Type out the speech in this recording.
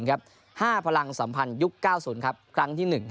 ห้าพลังสัมพันธ์ยุค๙๐ครั้งที่หนึ่ง